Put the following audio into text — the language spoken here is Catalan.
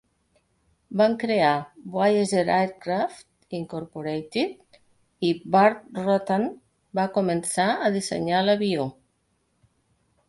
Van crear Voyager Aircraft, Incorporated, i Burt Rutan va començar a dissenyar l'avió.